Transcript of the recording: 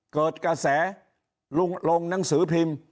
เกิดกระแสลงหนังสือพิมพ์